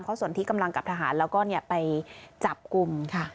เขาสนที่กำลังกับทหารแล้วก็ไปจับกลุ่ม